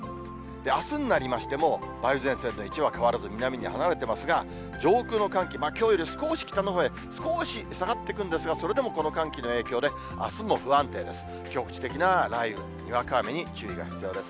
あすになりましても、梅雨前線の位置は変わらず、南に離れてますが、上空の寒気、きょうより少し北のほうへ、少し下がってくるんですが、それでもこの寒気の影響で、あすも不安定です。